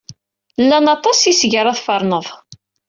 Llan aṭas ayseg ara tferned.